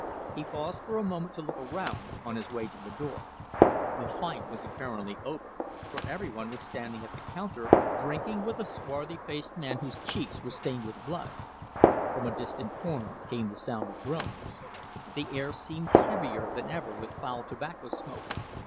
He paused for a moment to look around, on his way to the door. The fight was apparently over, for every one was standing at the counter, drinking with a swarthy faced man whose cheeks were stained with blood. From a distant corner came the sound of groans. The air seemed heavier than ever with foul tobacco smoke.